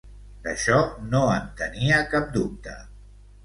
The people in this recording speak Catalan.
D'això no en tenia cap dubte!